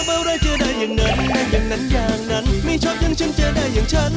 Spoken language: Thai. อาณามันอยู่นี่สิ